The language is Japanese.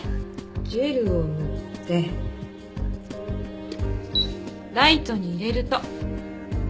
ジェルを塗ってライトに入れると。